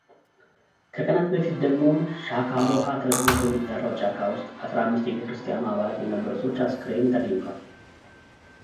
ከቀናት በፊት ደግሞ ሻካሎሃ ተብሎ ከሚጠራው ጫካ ውስጥ አስራአምስት የቤተክርስቲያኗ አባላት የነበሩ ሰዎች አስክሬን ተገኝቷል።